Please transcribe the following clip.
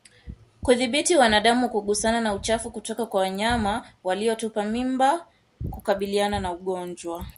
Kudhibiti mwanadamu kugusana na uchafu kutoka kwa wanyama waliotupa mimba hukabiliana na ugonjwa